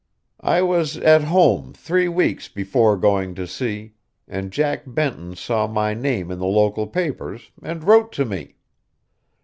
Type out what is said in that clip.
I was at home three weeks before going to sea, and Jack Benton saw my name in the local papers, and wrote to me.